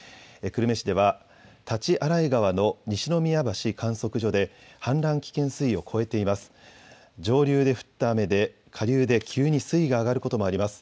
久留米市では大刀洗川の西の宮橋観測所で氾濫危険水位を超えています。